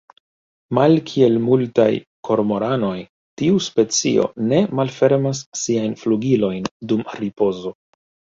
Malkiel multaj kormoranoj, tiu specio ne malfermas siajn flugilojn dum ripozo.